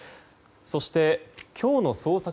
そして、今日の捜索